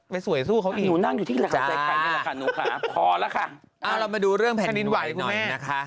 ไปสวยสู้เขาอีกมากเลยครับจ้ะพอแล้วค่ะเอาเรามาดูเรื่องแผ่นดินไหวหน่อยนะคะ